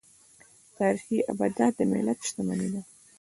تاریخي ابدات د ملت شتمني ده.